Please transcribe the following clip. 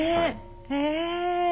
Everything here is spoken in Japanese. へえ。